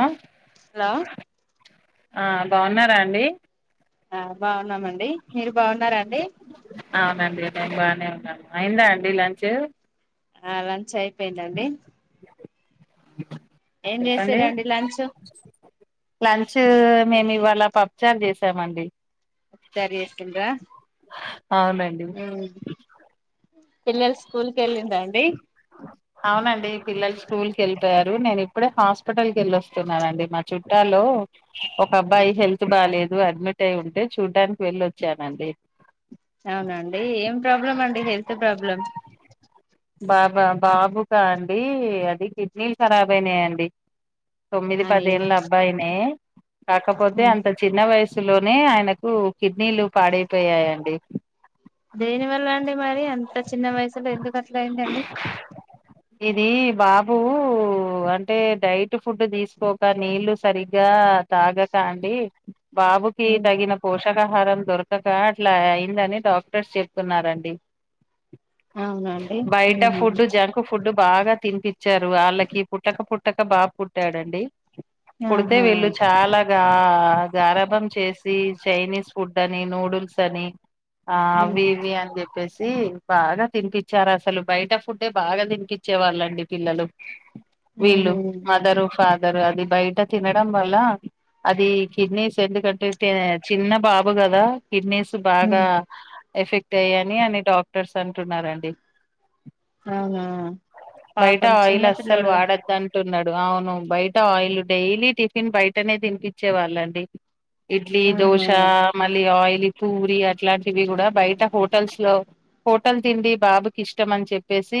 ఆ హలో ఆ బాగున్నారా అండి ఆ బా న్నామండి మీరు బాగున్నారాండి అయ్యిందా అండి లంచ్ ఆ లంచ్ అయిపోయిందండి ఎం చెప్పండి చేసిర్రు అండి లంచ్ లంచ్ మేము ఇవాళ పప్చార్ చేసామండి పాపూచరు చేసిండ్రా అవునండి పిల్లలు స్కూల్ కి వెళ్ళిండా అండి అవునండి పిల్లలు స్కూల్ కి వెళ్ళిపోయారు నేను ఇప్పుడే హాస్పిటల్ క వెళ్ళొస్తున్నానండి మా చుట్టాలో ఒక అబ్బాయి హెల్త్ బాగాలేదు అడ్మిట్ అయి ఉంటే చూడ్డానికి వెళ్ళొచ్చానండి అవునండి ఏం ప్రాబ్లం అండి హెల్త్ ప్రాబ్లమ్ బాబా బాబుకా అండి అది కిడ్నీలు ఖరాబ అయినాయంండి తొమ్మిది అయి పదేళ్ళ అబ్బాయినే కాకపోతే అంత చిన్న వయసు సు లోనే ఆయనకు కిడ్నీలు పాడైపోయాయండి దేని వల్ళ అండి మరి అంత చిన్న వయసులో ఎందుకు అట్లాయిందండి ఇది బాబు అంటే డైట్ ఫుడ్ తీసుకోక నీళ్ళలు సరిగ్గా తాగక అండి బాబుకి తగిన పోషకాహారం దొర ఒక అట్లా అయిందని డాక్టర్స్ చెప్తున్నారండి అవునండి బయిటా ఫుడ్ జంక్ ఫుడు బాగా తినిపచ్చారు వాళ్ళకి పుట్టక పుట్టక బాబ్ పుట్టాడండి పుడితే ఆహా వెీళ్ళు చాలా గారంభం చేసి చైనీస్ ఫుడ్ అని నూడుల్స్ అని ఆ అవి ఇవి అని చెప్పేసి సి బాగా తినిపచ్చారు అసలు బయట ఫుడే బాగా తినిపించే వాళ్ళండి పిల్లలు వీళ్ళు మదరు ఫా జర అది బయట తినడం వల్ల అది కిడ్నీస్ ఎందుకంటే చిన్న బాబు కదా కిడ్నేసు బాగా ఎఫెక్ట్ అయ్యాని అని డాక్ క్టర్స్ అంటున్నారండి ఆహా పాపం చిన్న పిలోడు న్నాడు అవును బయట ఆయిల్ డైలీ టిఫిన్ బయటనే తినిపించే వాళ్ళండి ఇడ్లీ దోశ ఆహా మళ్ళీ ఆయిల్ ల్లి పూరి అట్లాంటివి కూడా బయట హోటల్స్ లో హోటల్ తిండి బాబుకి ఇష్టం అని చెప్పేసి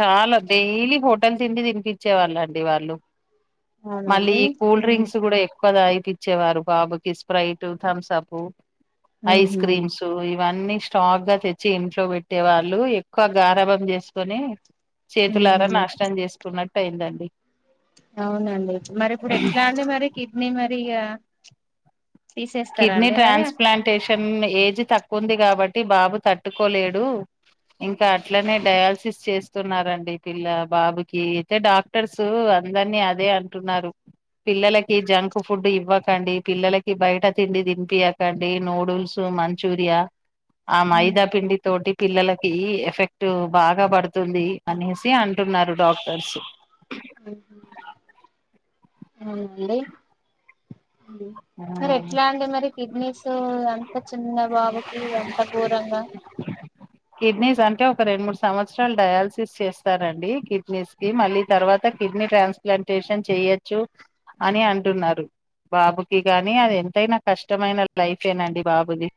చాలా డైలీ హోటల్ తిండి తినిపించే వాళ్ళండి వాళ్ళు మళ్ళీ అవునండి కూల్ డ్రింక్స్ కూడా ఎక్కువత ఇచ్చేవారు బాబుకి స్ప్రైట్ థమ్స్ అప్ ఐస్ ఉహు క్రీమ్స్ ఇవన్నీ స్టాక్గా వచ్చి ఇంట్లో పెట్టే వాళ్ళు ఎక్కువ గారభం చేసుకొని చేతులారా ఉహు నాశనం చేసుకున్నట్టు అయిందండి [inaudible] అవునండి మరి ఇప్పుడు ఎట్లా అండి మరి కిడ్నీ మరి య కిడ్నీ మరి ట్రాన్స్ప్లాంటేషన్ ఏజ్ తక్కువ ఉంది కాబట్టి బాబు తట్టుకోలేడు ఇంకా అట్లనే డయాల్సి చేస్తున్నారండి పిల్ల బాబుకి అయితే డాక్టర్స్ అందరినీ అదే అంటున్నారు పిల్లలకి జంక్ ఫుడ్ ఇవ్వకండి పిల్లలకి బయట తిండి తినిపియాకండి నూడుల్స్ మంచూరియా ఆ మైదా పిండి తోటి పిల్లలకి ఎఫెక్ట్ బాగా పడుతుంది అనేసి అంటున్నారు డాక్టర్స్ అవునండి మరి ఉమ్, ఎట్లా అండి మరి కిడ్నీస్ అంత చిన్న బాబుకి ఎంత గోరంగా కిడ్నీస్ అంటే ఒక రెండు మూడు సంవత్సరాలు డయాలిసిస్ చేస్తారండి కిడ్నీస్ కి మళ్ళీ తర్వాత కిడ్నీ ట్రాన్స్ప్లాంటేషన్ చెయొచ్చు అని అంటున్నారు బాబుకి కానీ అది ఎంతైనా కష్టమైన లైఫేనండి బాబుది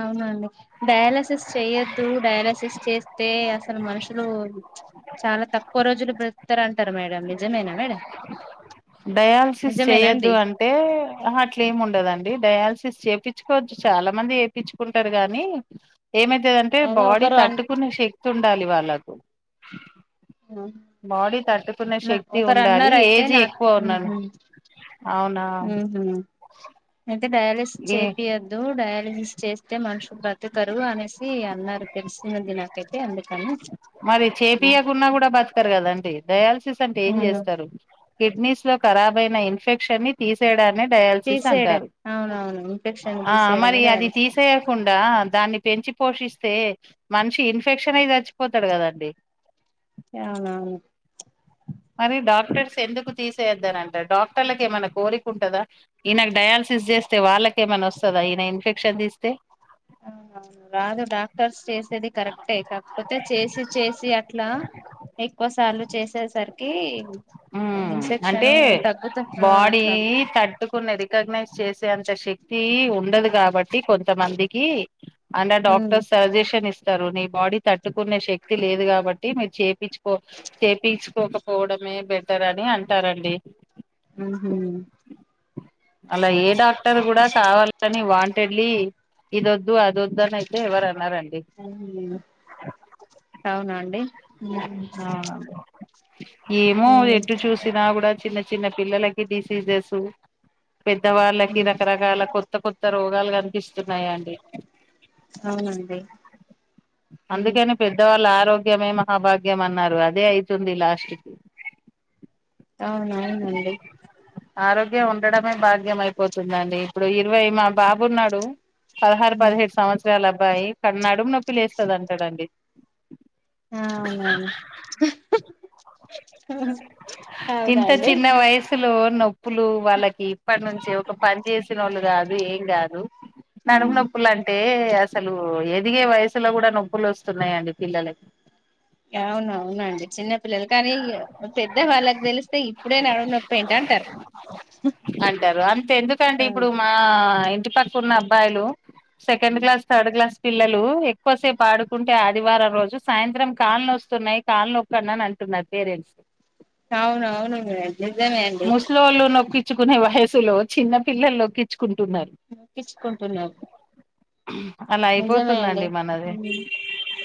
అవునండి డయాలసిస్ చెయొద్దు డయాలసిస్ చేస్తే అసలు మనుషులు చాలా తక్కువ రోజులు బతుకుతారు అంటారు మేడ డయాలసిస్ నిజమేనా చేయొద్దు అండి అంటే అట్ల ఏమి ఉండదండి డయాలసిస్ చేపిచ్చుకోవచ్చు చాలా మంది చేపిచ్చుకుంటారు గానీ ఏమైతదంటే అదే బాడీ ఒకరు అన్ తట్టుకునే శక్తి ఉం [unintelligible] వాళ్ళకూ బాడీ తట్టు శక్తి ఒకరు ఉండాలి అన్నారు ఏజ్ ఎక్కువ ఉన్నాను అవునా ఉహుం ఐతే డైయాల ఏ చేపియద్దు డయాలిసిస్ చేస్తే మనుషులు బ్రతుకరు అనేసి అన్నారు తెలిసినది నాకైతే అందుకని మరి చేపియకున్నా కూడా బతకరు కదండి డయాలసిస్ అంటే ఏం అవున చేస్తారు కిడ్నీస్ లో కరాబయిన ఇన్ఫెక్షన్ ని తీసేయడాన్నే డయాలిసిస్ తీసేయడం అంటారు అవునవును ఇన్ఫెక్షన్ ఆ మరి తీసేయడమే అది డయాలిసిస్ తీసేయకుండా దాన్ని పెంచి పోషిస్తే మనిషి ఇన్ఫెక్షన్ అయి సచ్చిపోతాడు కదా అండి య అవును అవును మరి డాక్టర్స్ ఎందుకుతీసేయద్దానంటారు డాక్టర్లకు ఏమైనా కోరిక ఉంటందా ఈయనకు డయాలసిస్ చేస్తే వాళ్ళకేమైన్నా వస్తుందా ఈయన ఇన్ఫెక్షన్ తీస్తే రాదు డాక్టర్స్ చేసేది కరెక్టే కాకపోతే చేసి చేసి అట్లా ఎక్కువ సార్లు చేసేసరికి అ అంటే ఇన్ఫెక్షన్ తగ్గుత ఆ బాడి అట్లా తట్టుకున్నది క ప్రగ్నేన్సి చేస్తె దే అంతా షేక్తి ఉండదు కాబట్టి కొంతమందికి అండ్ ఉమ్ డాక్టర్స్ సజెషన్ ఇస్తారు నీ క్ బాడీ తట్టుకునే శక్తి లేదు కాబట్టి మీరు చేపీచ్ ఒక్ టేడీ చ్ పోక పోవడమే బెటర్ అని అంటారండి ఉహు అలా ఏ డాక్టర్ కూడా కావాలని వాంటెడ్లీ ఇది వద్దు అదో వద్దు అని అయితే ఎవరు అనారండి అవునాండి ఉం ఆ ఏమో ఎటూ చూసినా కూడా చిన్న చిన్న పిల్లలకి డిసీజెసూ పెద్దవాళ్ళకి ఉమ్ రకరకాల కొత్త కొత్త ఎంత రోగాలు కనిపిస్తున్నాయి అండీ అవునండి ఉమ్ అందుకేనేమ్ పెద్దవాళ్ళు ఆరోగ్య ఆరోగ్యమే మహాభాగ్యం అన్నారు అదే అయితుంది లాస్ట్ కి అవునవునండి ఆరోగ్యం ఉండడమే భాగ్యం అయిపోతుంది ఉంటందండి ఇప్పుడు ఇరవై మా బాబు ఉన్నాడు పదహారు పదిహెడు సంవత్సరాల అబ్ అబ్బాయి ఇక్కడ నడుము నొప్పి లేస్తదంట అండి ఆ అవునవును అ ఇంత చిన్న వయసులో నొప్పులు వాళ్ళకి ప నుంచి ఒక పని చేసిన వాళ్ళు కాదు ఏం కాదు నడుము నొప్పులు అంటే టే అసలు ఎదిగే వయసులో కూడా నొప్పులు వస్తున్నాయండి పిల్లలకి అవును అవునండి చిన్నపిల్లలు కానీ పెద్ద వాళ్ళకి తెలుసు అంటారు అంతే ఎందుకంటే ఇప్పుడు మా ఇంటి పక్కటు ఉన్న అబ్బాయిలు సెకెండ్ క్లాస్ థర్డ్ క్లాస్ పిల్లలు ఎక్కువసేపు ఆడుకుంటే ఆదివారం రోజు సాయంత్రం కాళ్ళునోస్తున్నాయ్ కాళ్లు నొక్కాన్డని అంటున్నారు పేరెంట్స్ అవున అవును నిజమే అండి చ్చుకునే వయసులో చిన్న పిల్లల్ నోక్కిచ్ నోక్కించుకుంటున్నారు అలా నిజమే అండి అయిపోతుందండి మనది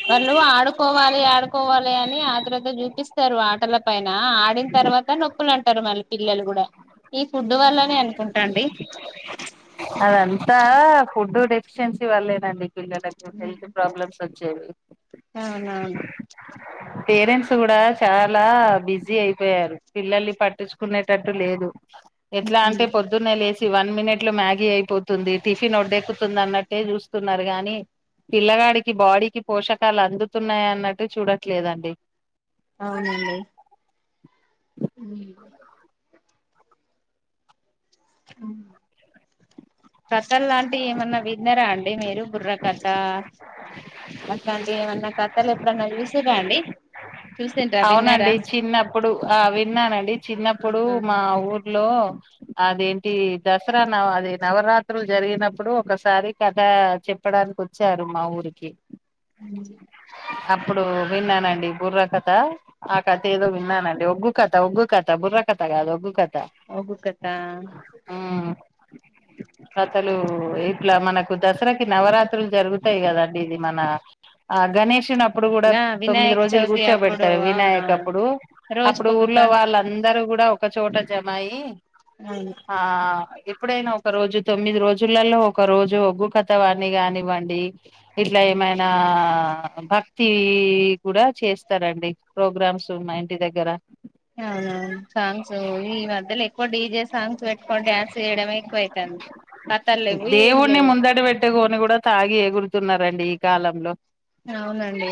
వాళ్ళు ఆడుకోవాలి ఆడుకోవాలి అని ఆత్రుత చూపిస్తారు ఆటల పైన ఆడిన తర్వత్ త నొప్పులంటారు మళ్ళీ పిల్లలు కూడా ఈ ఫుడ్ వల్లనే అనుకుంటాండి అదంతా ఫుడ్ డేఫిషెన్సీ వల్లేనండి పిల్లలకు హెల్త్ ప్రాబ్లమ్స్ వచ్చవి అవునవును పేరెంట్స్ కూడా చాలా బిజీ అయిపోయారు పిల్లల్ని పట్టించుకునేటట్టు లేదు ఎట్లా అంటే పొద్దున్నే లేసి వన్ మినిట్ల మ్యాగీ అయిపోతుంది టిఫిన్ ఒడ్డెక్కుతుందన్నట్టే చూస్తున్నారు గాని పిల్లగాడికి బాడీకి పోషకాలు అందుతున్నాయ అన్నట్టు చూడట్లేదండి అవునండి ఉ కస్ ట్ట లాంటి ఏమన్నా విన్నర అం డి మీరు బుర్ర కథ అట్లాంటి ఏమన్నా కథలేప్పుడన్నా చుస్ తుర్ర అండి చూసిండ్రా విన్నారా అవునండి చిన్నప్పుడు ఆ విన్నానండి చిన్నప్పుడు మా ఊర్ లో అదేంటి దసరా నవ అది నవరాత్రులు జరిగినప్పుడు ఒకసారి కథ చెప్పడానికి వచ్చారు మా ఊరికి అప్పుడు విన్నానండి బుర్రక థ ఆ కథ ఏదో విన్నానండి ఒగ్గు కథ ఒగ్గు కధా బుర్ర కథ కాదు ఒక్గు క ఒగ్గు కథ ఉమ్ కథలు ఇట్లా మనకు దసరాకి నవరాత్రులు జరుగుతాయి కదండి ఇది మన ఆ గణేష్ నప్ ప్పుడు కూడా ఆ తొమ్మిది వినాయక రోజులు గు చవితి అప్పుడు పెడారు వినాయక్ అవునవును అప్పుడు అప్పుడు రోజుకొక క ఊర్లో వాళ్ళన్ అందరు కూడా ఒకచోట జమాయి అవును ఆ ఎప్పుడైనా ఒక రోజు తొమ్మిది రోజులలో ఒక రోజు ఒగ్గు కథవాన్ని కానివ్వండి ఇట్లా ఏమైనా భక్తి కూడా చేస్ వస్తారండి ప్రోగ్రామ్స్ మా ఇంటి దగ్గర అవునువును సాంగ్స్ ఈ మధ్యలో ఎక్కువ డీ జేస్ సాంగ్స్ పెట్టుకోని డాన్స్ చేయడమే ఎక్కువయితాంది దేవుణ్ణి ముందట బట్ పెట్టుకోని కూడా తాగి ఎగురుతున్నారండి ఈ కాలంలో అవునండి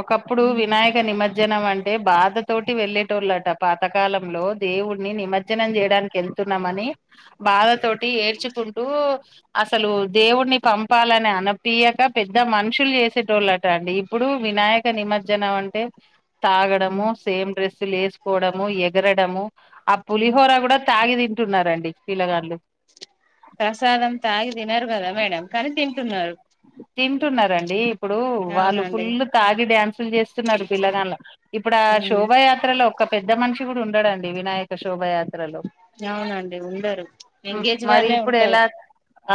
ఒకప్పుడు వినాయక నిమజ్జ మజ్జనం అంటే బాధ తోటి వెళ్ళేటోళ్ళంట పాతకాలంలో దేవుడిని నిమజ్జనం చేయడానికి వెళ్తున్నామని బాధతో టి ఏడ్చుకుంటూ అసలు దేవుడిని పంపాలని అనిపీయక పెద్ద మనుషులు చేసేటోళ్ళట అండి ఇప్పుడు వినాయక నిమజ్జనం అంటే తాగడమో సేమ్ డ్రెస్ లు వేసుకోవడము ఎగరడము ఆ పులిహోర కూడా తాగదీ తింటున్నారండి పిల్లగాళ్లు ప్రసాదం తాగి తినరు కదా మేడం కానీ తింటున్నారు తింటున్నరండీ ఇప్పుడు వాళ్ళు అవునండి ఫుల్ తాగి డ్యాన్సులు చేస్తున్నారు పిల్లగాండ్లు ఇప్పుడు ఆ ఉమ్ శోభాయాత్రలో ఒక పెద్ద మనిషి కూడా ఉండడండి వినాయక శోభయాత్ర అవునండి ఉండరు యంగే మరి ఇప్పుడు ఎలా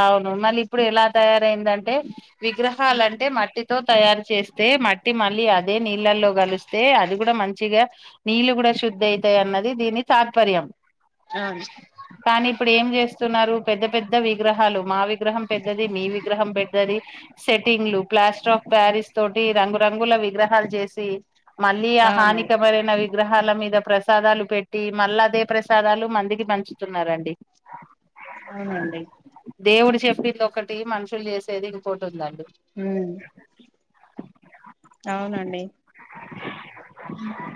అవును మళ్ళీ ఇప్పుడు ఎలా తయారైందంటే విగ్రహాలంటే మట్టి తో తయారు చేస్తే మట్టి మళ్ళీ అదే నీళ్ళల్లో కలిస్తే అది కూడా మంచిగా నీళ్ళ కూడా శుద్ధి అయితాయి అన్నది దీని తాత్పర్యం అవును కానీ ఇప్పుడు ఏం చేస్త స్తున్నారు పెద్ద పెద్ద విగ్రహాలు మా విగ్రహం పెద్దది మీ విగ్రహం పెద్దది సెట్టింగ్లు ప్లాస్టర్ ఆఫ్ ప్యారిస్ తోటి రంగురంగుల విగ్రహాలు చేసి మళ్ళీ ఆ అవును హాని కరమైనవి విగ్రహాల మీద ప్రసాదాలు పెట్టి మళ్ళా అదే ప్రసాదాలు మందికి పంచుతున్నారండి అవునండి దేవుడు చెప్పింది ఒకటి మనుషులు చేసేది ఇంకోటి ఉందండి హ్మ్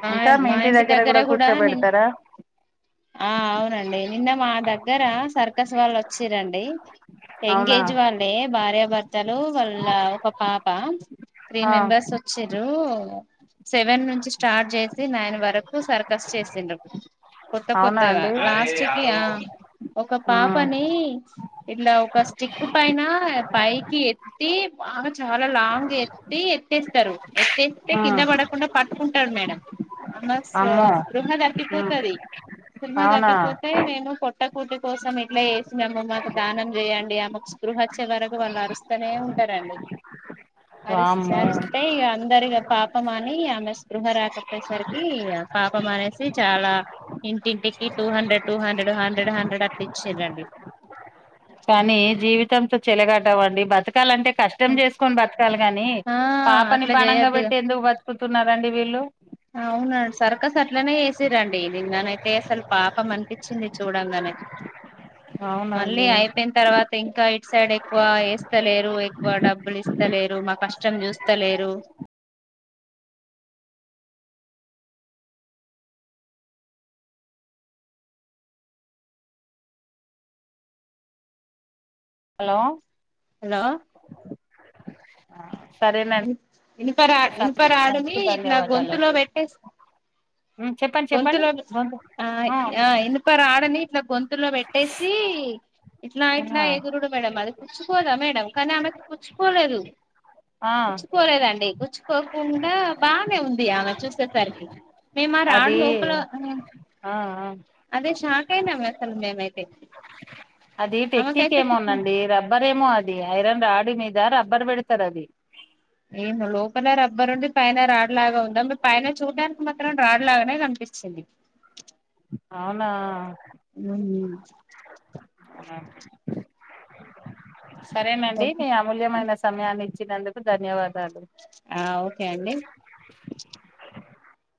మా మా ఇంటి దగ్గర కూడా ని ఆ అవునండి నిన్న మా దగ్గర సర్క స్ వాళ్ళు వచ్చీర్రండి అవునా ఎంగేజ్ వాళ్ళే భార్యాభర్తలు వాళ్ళ ఒక పాప త్రీ ఆ మెంబర్స్ వచ్చిర్రూ... సెవెన్ స్టార్ట్ చేసి నయన్ వరకు సర్కస్ చేసిండ్రు కొత్త అవునా కొత్తగా, అండి లాస్ట్ కి ఆ ఒక్క ఆ పాపని ఇట్ల ఒక స్టిక్ పైన పైకి ఎత్తి బాగా చాలా లాంగ్ ఎత్తి ఎత్తేస్తరు. ఎతేస్తె ఆ కింద పడకుండా పట్ మేడమ్ ఆమె స్ అమ్మో స్పృహ ఉమ్ దప్పిపోతది, స్పృహ అవునా దప్పిపోతే నేను కొ పొట్టకూటి కోసం ఇట్లా చేసినమ్మ మాకు దానం చేయండి, ఆమెకు స్పృహ అచ్చె వరకు వాళ్ళు అరుస్తనే ఉంటరండి. అరుస్తే వామ్మో అరుస్తే ఇగ అందరిగ. పాపమని ఆమెస్ స్పృహ రాకపోయేసరికి పాపం అనేసి చాలా ఇంటింటికి two hundred two hundred hundred hundred అట్లా ఇచ్చిరండి. కానీ జీవితంతో చెలగాటవండి బతకాలంటే కష్టం చేసుకొని బతకాలి గాని, ఆ పాపని అట్లా పణంగా పెట్టే ఎందుకు బత్ క్కుతున్నారండి వీళ్ళు అవునా సరకస్ అట్లనే చేసిరండి నిన్ననైతే అసలు పాపం అనిపిచింది చూడంగనే. మళ్ళీ అవునండి అయి పెయిన తర్వాత ఇంకా సైడ్ ఎక్కువ యేస్తలేరు, ఎక్కువ డబ్బులు ఇస్తలేరు మాక్ కష్టం చూస్తలేరు. హలో హలో ఆ సరే నన్ ఇనుపరా ఇనుపరాడుని ఇట్లా గొంతులో ధన్యవాదాలండి పెట్టేసి, ఉమ్ చెప్పండి చెప్పండి గొంతులో గొంతు ఆ ఇనుపరాడుని ఇట్లా గొంతులో పెట్టేసి ఇట్లా ఇట్లా ఎగురుడు మేడం అది, కూచ్చుకోదా మేడం కానీ ఆమెకి కూచ్చుకోలేదు. ఆ కూచ్చుకోలేదండి గుచ్చుకోకుండా బానే ఉంది ఆమె చూసేసరికి, మేమా రాడు అది లోపల ఆ ఆ అదే శాక్ అయినం అసలు మేమయితే అది టెక్నిక్ ఏమోంనండి, రబ్బరే ఏమో అది ఐరన్ రాడి మీద రబ్బర్ పెడతరు అది. ఏం లోపల రబ్బరు ఉండి పైన రాడ్లాగా ఉందా, మీ పైన చూడడానికి మాత్రం రాడ్లాగనే కనిపిచింది. అవునా ఉమ్ సరేనండి ఓకే నీ అమూల్యమైన సమయాన్ని ఇచ్ ఇచ్చినందుకు ధన్యవాదాలు. ఆ ఓకే అండి.